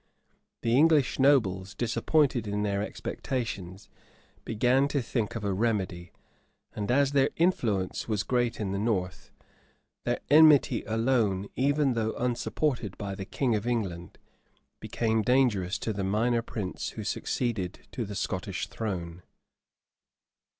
The English nobles, disappointed in their expectations, began to think of a remedy; and as their influence was great in the north, their enmity alone, even though unsupported by the King of England, became dangerous to the minor prince who succeeded to the Scottish throne.